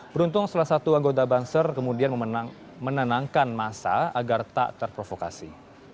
beruntung salah satu anggota banser kemudian menenangkan masa agar tak terprovokasi